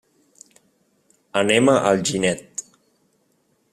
Anem a Alginet.